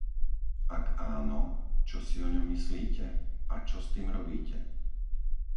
Ak áno, čo si o ňom myslíte a čo s tým robíte?